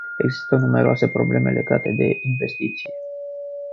Există numeroase probleme legate de investiție.